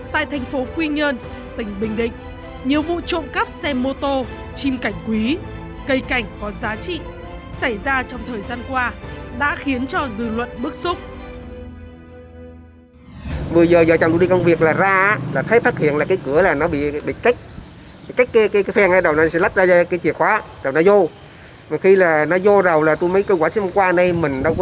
tại thành phố quy nhơn tỉnh bình định nhiều vụ trộm cắp xe mô tô chim cảnh quý cây cảnh có giá trị xảy ra trong thời gian qua đã khiến cho dư luận bức xúc